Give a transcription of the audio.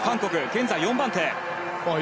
現在４番手。